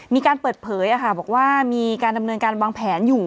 มีการเปิดเผยบอกว่ามีการดำเนินการวางแผนอยู่